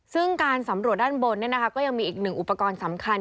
ซึ่งการสำรวจด้านบนก็ยังมีอีกหนึ่งอุปกรณ์สำคัญ